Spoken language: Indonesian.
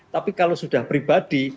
tapi kalau sudah pribadi